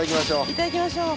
いただきましょう。